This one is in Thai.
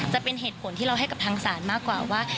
จะเป็นเหตุผลที่เราให้กับทางศาลมากกว่าว่า